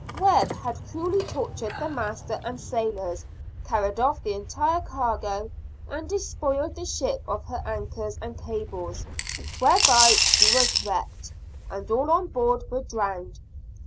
Webb had cruelly tortured the master and sailors, carried off the entire cargo, and despoiled the ship of her anchors and cables, whereby she was wrecked, and all on board were drowned.